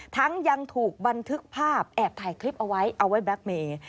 ทั้งยังถูกบันทึกภาพแอบถ่ายคลิปเอาไว้เอาไว้แล็กเมย์